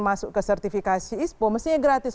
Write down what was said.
masuk ke sertifikasi ispo mestinya gratis